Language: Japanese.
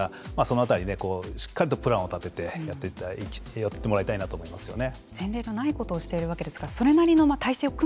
その辺りしっかりとプランを立ててやっていもらいたいなと思いますよね。